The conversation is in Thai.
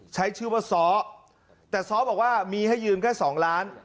ใช้ชื่อว่าซ้อแต่ซ้อบอกว่ามีให้ยืมแค่๒ล้าน